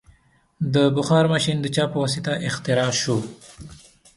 د بخار ماشین د چا په واسطه اختراع شو؟